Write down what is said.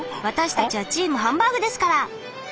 私たちはチームハンバーグですから！